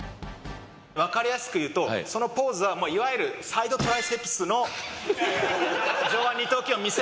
わかりやすく言うとそのポーズはいわゆるサイドトライセップスの上腕二頭筋を見せる？